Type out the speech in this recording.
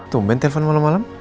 tumben telfon malam malam